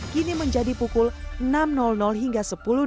kini menjadi pukul enam hingga sepuluh